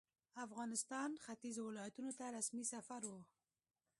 افغانستان ختیځو ولایتونو ته رسمي سفر وو.